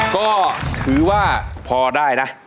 ก็ถือว่าพอได้นะ